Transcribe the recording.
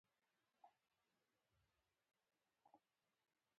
روغتیا باید څنګه وساتل شي؟